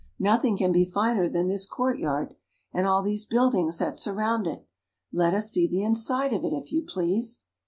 Nothing can be finer than this court yard, and all these buildings that surround it. Let us see the inside of it, if you please."